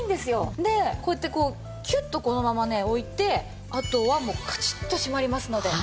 でこうやってキュッとこのままね置いてあとはもうカチッと閉まりますので。